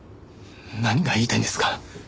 何が言いたいんですか？